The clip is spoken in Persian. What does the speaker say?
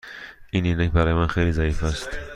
این عینک برای من خیلی ضعیف است.